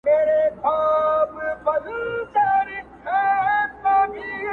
• نه یې جنډۍ سته نه یې قبرونه -